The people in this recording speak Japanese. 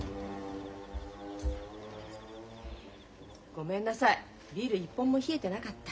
ごめんなさいビール一本も冷えてなかった。